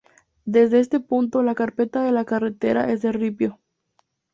Desde este punto la carpeta de la carretera es de ripio.